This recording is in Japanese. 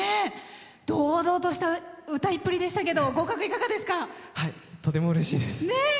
堂々とした歌いっぷりでしたけどとてもうれしいです。